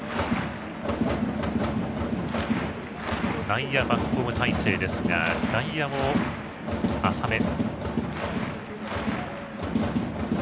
内野バックホーム態勢ですが外野も浅め。